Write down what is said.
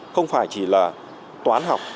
không phải chỉ là toán học